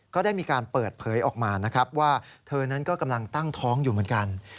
ก็ได้มีการเปิดเผยออกมานะครับว่าเธอนั้นก็กำลังตั้งท้องอยู่เหมือนกัน